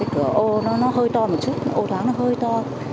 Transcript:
cửa ô nó hơi to một chút ổ tháng nó hơi to